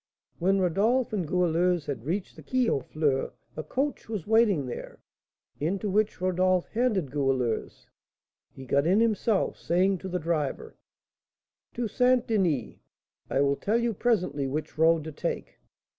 When Rodolph and Goualeuse had reached the Quai aux Fleurs, a coach was waiting there, into which Rodolph handed Goualeuse. He got in himself, saying to the driver: "To St. Denis; I will tell you presently which road to take."